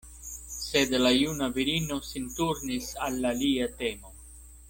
Sed la juna virino sin turnis al alia temo.